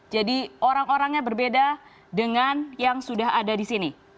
jadi orang orangnya berbeda dengan yang sudah ada di sini